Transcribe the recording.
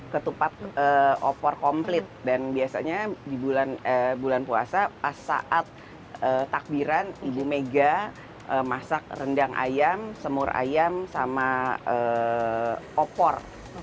ketupat opor komplit dan biasanya di bulan puasa pas saat takbiran ibu mega masak rendang ayam semur ayam sama opor